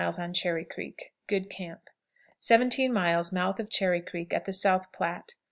On Cherry Creek. Good camp. 17. Mouth of Cherry Creek, at the South Platte.